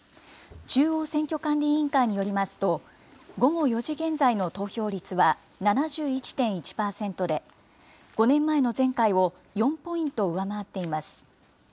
中央選挙管理委員会によりますと、午後４時現在の投票率は７１．１％で、５年前の前回を４ポイント上回っています。